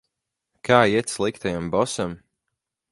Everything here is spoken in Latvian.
Kā iet sliktajam bosam?